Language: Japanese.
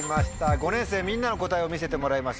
５年生みんなの答えを見せてもらいましょう。